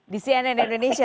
di cnn indonesia